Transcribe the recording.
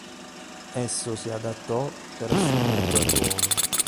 Esso si adattò per assumere quel ruolo.